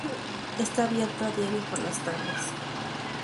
Está abierto a diario por las tardes.